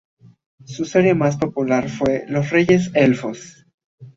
Su serie más popular fue "Los Reyes Elfos".